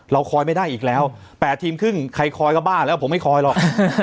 เราคอยไม่ได้อีกแล้ว๘ทีมครึ่งใครคอยก็บ้าแล้วผมไม่คอยหรอก